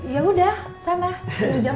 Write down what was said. ya udah sana udah jam empat